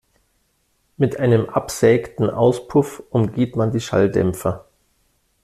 Mit einem absägten Auspuff umgeht man die Schalldämpfer.